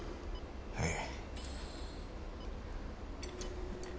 はい。